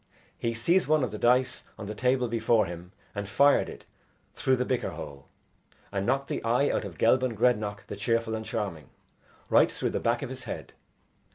He seized one of the dice on the table before him and fired it through the bicker hole, and knocked the eye out of Gelban Grednach the Cheerful and Charming, right through the back of his head.